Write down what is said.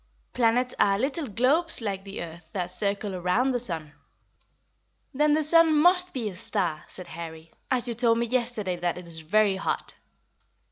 Planets are little globes like the earth that circle around the sun." "Then the sun must be a star," said Harry, "as you told me yesterday that it is very hot."